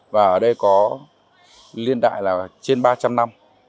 và ở đây có liên đại là trên ba trăm linh năm